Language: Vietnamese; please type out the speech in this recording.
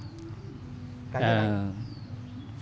cảm ơn anh